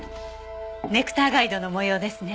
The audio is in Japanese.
ネクターガイドの模様ですね。